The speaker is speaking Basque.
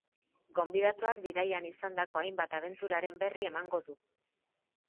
Gonbidatuak, bidaian izandako hainbat abenturaren berri emango du.